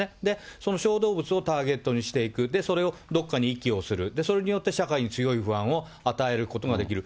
その小動物をターゲットにしていく、それをどっかに遺棄をする、それによって社会に強い不安を与えることができる。